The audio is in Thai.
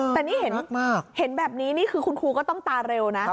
ใช่แต่นี่เห็นแบบนี้คุณครูก็ต้องตาเร็วนะ